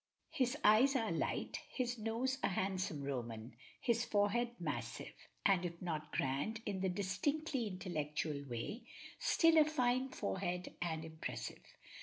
His eyes are light, his nose a handsome Roman, his forehead massive, and if not grand in the distinctly intellectual way, still a fine forehead and impressive.